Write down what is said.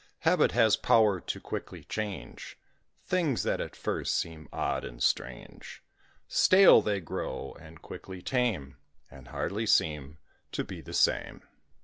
Habit has power to quickly change Things that at first seem odd and strange; Stale they grow, and quickly tame, And hardly seem to be the same.